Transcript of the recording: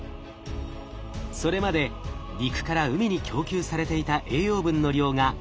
それまで陸から海に供給されていた栄養分の量が激減。